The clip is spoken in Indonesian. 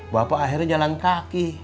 bapak akhirnya jalan kaki